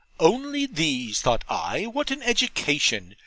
Only these, thought I what an education!